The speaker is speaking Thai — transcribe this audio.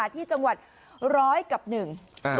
ที่จังหวัดร้อยกับหนึ่ง